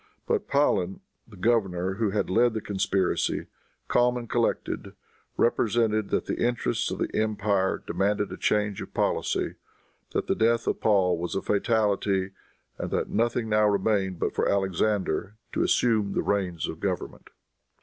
But Pahlen, the governor, who had led the conspiracy, calm and collected, represented that the interests of the empire demanded a change of policy, that the death of Paul was a fatality, and that nothing now remained but for Alexander to assume the reins of government.